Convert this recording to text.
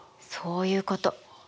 そういうこと。